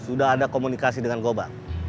sudah ada komunikasi dengan goba